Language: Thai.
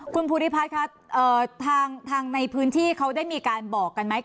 คุณภูริพัฒน์คะทางในพื้นที่เขาได้มีการบอกกันไหม